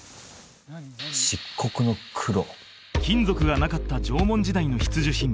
この数金属がなかった縄文時代の必需品